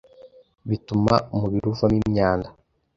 bituma umubiri uvamo imyanda